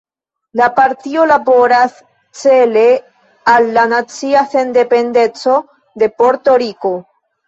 La partio laboras cele al la nacia sendependeco de Porto-Riko.